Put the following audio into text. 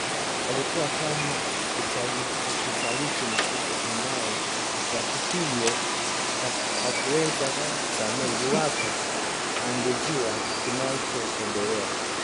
ulikuwa kama usaliti mkubwa ambao rafikiye hangeweza kumsamehe iwapo angejua kinachoendelea